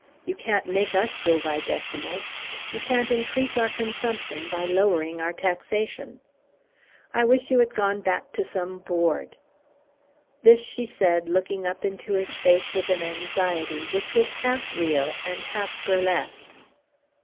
You can't make us go by decimals. You can't increase our consumption by lowering our taxation. I wish you had gone back to some Board." This she said looking up into his face with an anxiety which was half real and half burlesque.